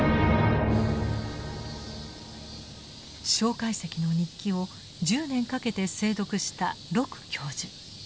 介石の日記を１０年かけて精読した鹿教授。